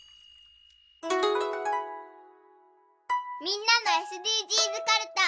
みんなのＳＤＧｓかるた。